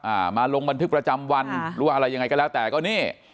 อ่ามาลงบันทึกประจำวันครับรู้ว่าอะไรยังไงก็แล้วแต่ก็เนี้ย